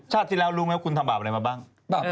ที่แล้วรู้ไหมว่าคุณทำบาปอะไรมาบ้าง